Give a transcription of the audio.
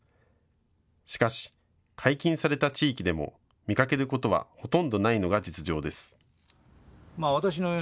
しかし解禁された地域でも見かけることはほとんどないのが実情です。